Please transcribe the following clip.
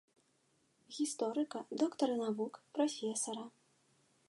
Гісторыка, доктара навук, прафесара.